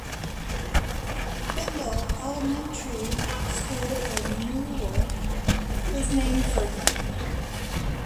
Kendall Elementary School, in Norwalk is named for him.